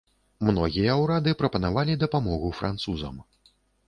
Многія ўрады прапанавалі дапамогу французам.